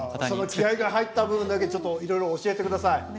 その気合いが入った分だけちょっといろいろ教えてください。